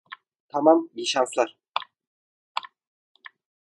Tamam, iyi şanslar.